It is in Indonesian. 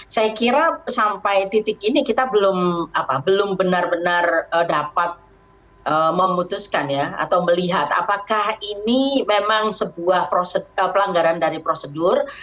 saya kira sampai titik ini kita belum benar benar dapat memutuskan ya atau melihat apakah ini memang sebuah pelanggaran dari prosedur